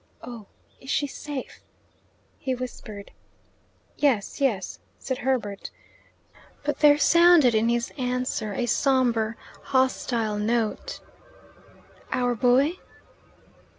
"Oh, is she safe?" he whispered. "Yes, yes," said Herbert; but there sounded in his answer a sombre hostile note. "Our boy?"